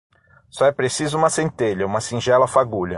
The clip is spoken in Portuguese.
Só é preciso uma centelha, uma singela fagulha